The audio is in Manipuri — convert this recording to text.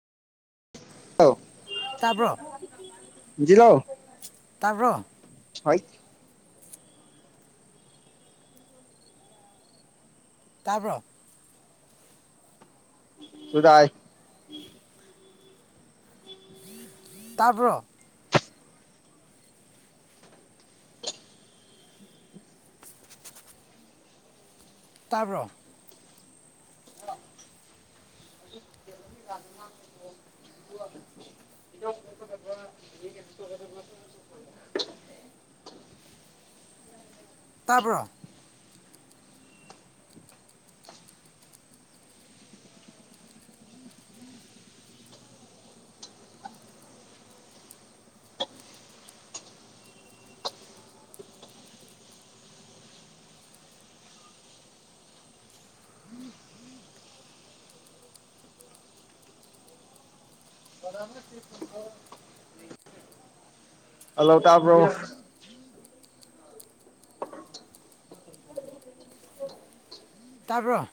ꯑꯥꯎ ꯇꯥꯕ꯭ꯔꯣ ꯖꯂꯣ ꯇꯥꯕ꯭ꯔꯣ ꯍ ꯇꯥꯕ꯭ꯔꯣ ꯁꯨꯗꯥꯏ ꯇꯄ ꯇꯥꯕ꯭ꯔꯣ ꯇꯥꯕ꯭ꯔꯣ ꯔ ꯍꯜꯂꯣ ꯇꯥꯕ꯭ꯔꯣ ꯇꯥꯕ꯭ꯔꯣ